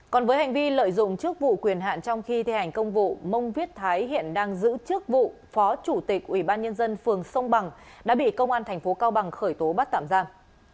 còn với hành vi lợi dụng chức vụ quyền hạn trong khi thi hành công vụ mông viết thái hiện đang giữ chức vụ phó chủ tịch ủy ban nhân dân phường sông bằng đã bị công an thành phố cao bằng khởi tố bắt tạm giam